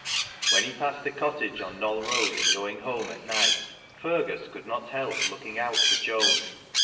When he passed the cottage on the Knoll E,oad in going home at night, Fergus ^ould not help looking out foi Joan.